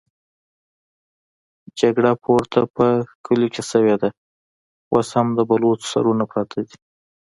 جګړه پورته په کليو کې شوې ده، اوس هم د بلوڅو سرونه پراته دي.